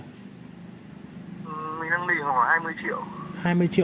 mình đang đẩy khoảng hai mươi triệu